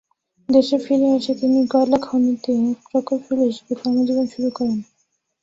দেশে ফিরে এসে তিনি কয়লা খনিতে প্রকৌশলী হিসেবে কর্মজীবন শুরু করেন।